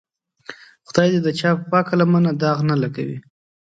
خدای دې د چا پاکه لمن داغ نه لګوي.